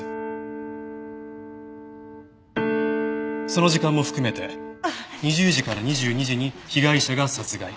その時間も含めて２０時から２２時に被害者が殺害。